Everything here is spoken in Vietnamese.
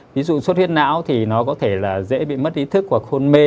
ví dụ xuất huyết não thì nó có thể là dễ bị mất ý thức hoặc khôn mê